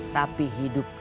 tapi hidup kita